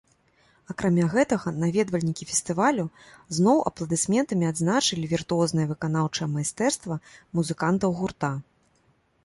Акрамя гэтага, наведвальнікі фестывалю зноў апладысментамі адзначылі віртуознае выканаўчае майстэрства музыкантаў гурта.